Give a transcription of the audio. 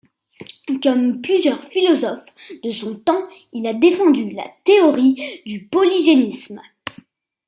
Comme plusieurs philosophes de son temps, il a défendu la théorie du polygénisme.